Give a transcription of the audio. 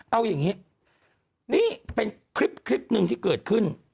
เอาอย่างนี้นี่เป็นคลิปหนึ่งที่เกิดขึ้น